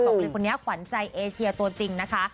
บอกเลยคนนี้ขวัญใจเอเชียตัวจริงนะคะ